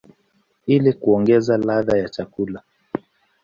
ili kuongeza ladha ya chakula.